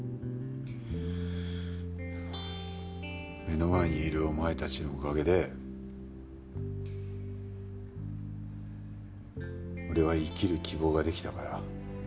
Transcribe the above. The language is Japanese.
目の前にいるお前たちのおかげで俺は生きる希望ができたから。